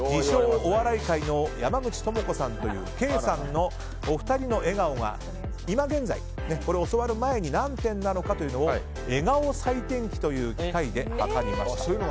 お笑い界の山口智子さんというケイさんのお二人の笑顔が今現在教わる前に何点なのかというのを笑顔採点機という機械で測りました。